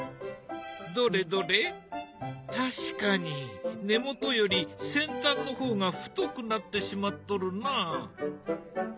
どれどれ確かに根元より先端の方が太くなってしまっとるな。